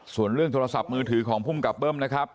ส่วนเรื่องโทรศัพท์มือถือของภูมิกับเบิ้มนะครับ